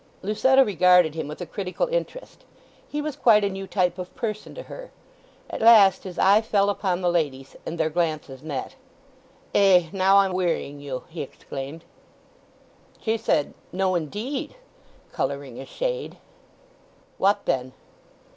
Lucetta regarded him with a critical interest. He was quite a new type of person to her. At last his eye fell upon the lady's and their glances met. "Ay, now, I'm wearying you!" he exclaimed. She said, "No, indeed," colouring a shade. "What then?"